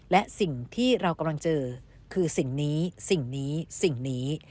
และสิ่งที่เรากำลังเจอคือสิ่งนี้สิ่งนี้สิ่งนี้